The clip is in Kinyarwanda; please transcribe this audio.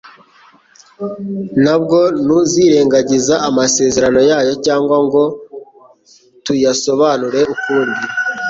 ntabwo tuzirengagiza amasezerano yayo cyangwa ngo tuyasobanure ukundi.